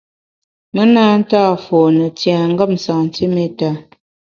Me na nta fone tiengem santiméta.